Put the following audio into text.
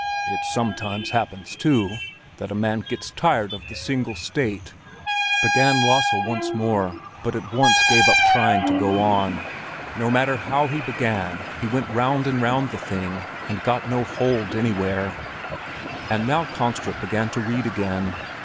"It sometimes happens too, that a man gets tired of the single state," began Lasse once more, but at once gave up trying to go on. No matter how he began, he went round and round the thing and got no hold anywhere! And now Kongstrup began to read again.